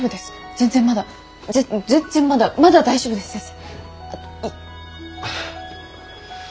全然まだまだ大丈夫です先生。